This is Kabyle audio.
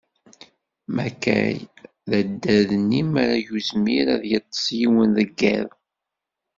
Makay, d addad-nni m'ara ur yezmir ad yeṭṭes yiwen deg iḍ.